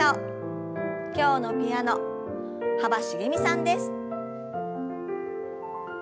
今日のピアノ幅しげみさんです。